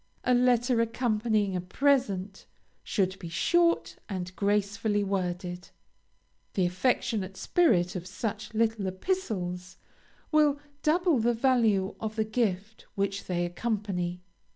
A letter accompanying a present, should be short and gracefully worded. The affectionate spirit of such little epistles will double the value of the gift which they accompany.